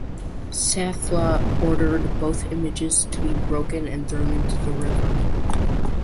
Satha ordered both images to be broken and thrown into the river.